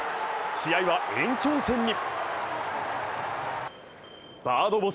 試合は延長戦に。